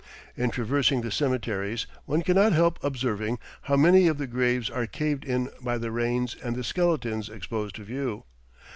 In traversing the cemeteries, one cannot help observing how many of the graves are caved in by the rains and the skeletons exposed to view.